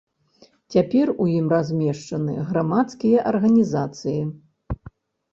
Цяпер у ім размешчаны грамадскія арганізацыі.